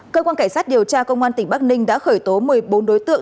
cơ quan cảnh sát điều tra công an tỉnh bắc ninh đã khởi tố một mươi bốn đối tượng